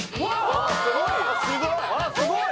すごい。